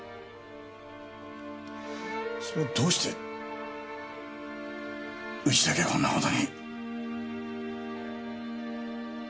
それがどうしてうちだけこんな事に。